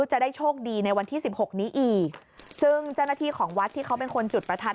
จะได้โชคดีในวันที่สิบหกนี้อีกซึ่งเจ้าหน้าที่ของวัดที่เขาเป็นคนจุดประทัด